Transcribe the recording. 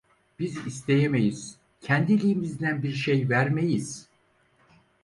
Biz isteyemeyiz, kendiliğimizden bir şey vermeyiz…